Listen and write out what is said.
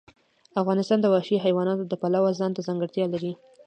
افغانستان د وحشي حیوانات د پلوه ځانته ځانګړتیا لري.